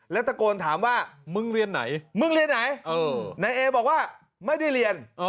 แล้วตะโกนถามว่ามึงเรียนไหนมึงเรียนไหนนายเอบอกว่าไม่ได้เรียน